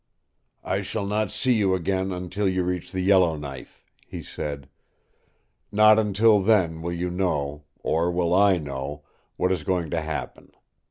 "I shall not see you again until you reach the Yellowknife," he said. "Not until then will you know or will I know what is going to happen.